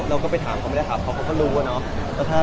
เราก็ไปถามเขาไม่ได้ถามเขาเขาก็รู้อะเนาะ